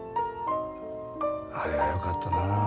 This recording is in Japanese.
あれがよかったなあ。